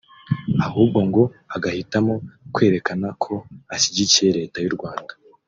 ahubwo ngo agahitamo kwerekana ko ashyigikiye leta y’ u Rwanda